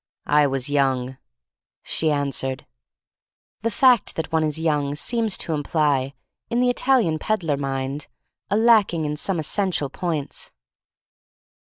I was young," she answered. The fact that one is young seems to imply — in the Italian peddler mind — a lacking in some essential points.